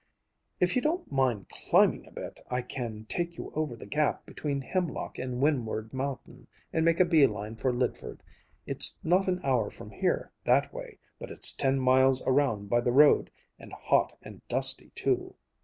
"If you don't mind climbing a bit, I can take you over the gap between Hemlock and Windward Mountain and make a bee line for Lydford. It's not an hour from here, that way, but it's ten miles around by the road and hot and dusty too."